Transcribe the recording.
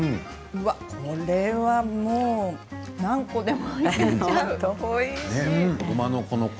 これはもう何個でも。